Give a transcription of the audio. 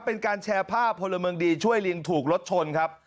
เป็นการแชร์ภาพพลเมืองดีช่วยลิงถูกรถชนครับ